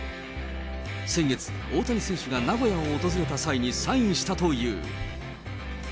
先月、大谷選手が名古屋を訪れた際にサインしたという。